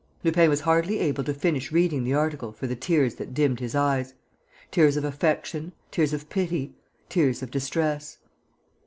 Lupin was hardly able to finish reading the article for the tears that dimmed his eyes: tears of affection, tears of pity, tears of distress.